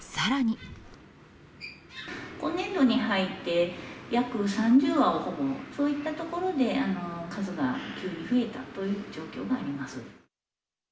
今年度に入って、約３０羽を保護、そういったところで、数が急に増えたという状況があります。